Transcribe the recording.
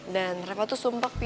dan reva tuh sumpah pi